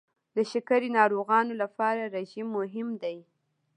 د شکرې ناروغانو لپاره رژیم مهم دی.